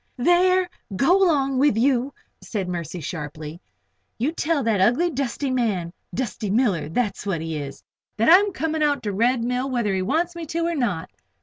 "There! Go along with you," said Mercy, sharply. "You tell that ugly, dusty man Dusty Miller, that's what he is that I'm coming out to the Red Mill, whether he wants me to or not."